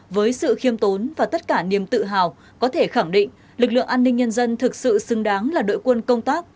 với sự khiêm tốn và tất cả niềm tự hào có thể khẳng định lực lượng an ninh nhân dân thực sự xứng đáng là đội quân công tác